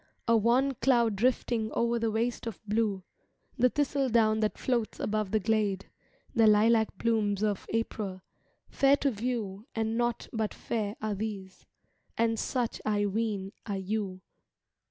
A wan cloud drifting o'er the waste of blue, The thistledown that floats above the glade, The lilac blooms of April—fair to view, And naught but fair are these; and such, I ween, are you.